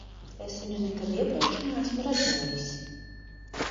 Es viņu nekad iepriekš neesmu redzējis.